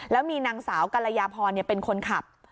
แล้วมีนางสาวกรยาพรเป็นคนขับ